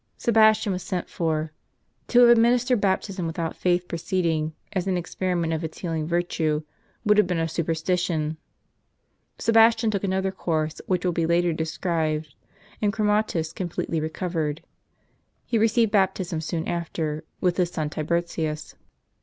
w m Sebastian was sent for. To have administered baptism without faith preceding, as an experiment of its healing vir tue, would have been a superstition. Sebastian took another course, which will be later described, and Chromatins com pletely recovered. He received baptism soon after, with his son Tibertius.